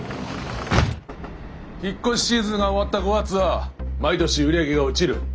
引っ越しシーズンが終わった５月は毎年売り上げが落ちる。